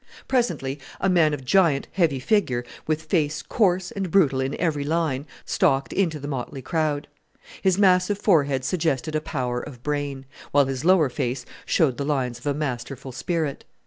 Presently a man of giant heavy figure, with face coarse and brutal in every line, stalked into the motley crowd. His massive forehead suggested a power of brain; while his lower face showed the lines of a masterful spirit.